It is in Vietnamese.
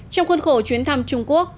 trong khuôn khổ chuyến thăm trung quốc